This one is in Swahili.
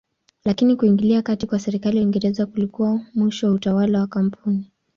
Lakini kuingilia kati kwa serikali ya Uingereza kulikuwa mwisho wa utawala wa kampuni.